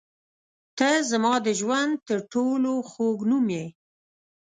• ته زما د ژوند تر ټولو خوږ نوم یې.